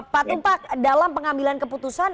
pak tumpak dalam pengambilan keputusan